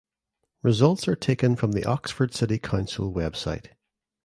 Results are taken from the Oxford City Council website.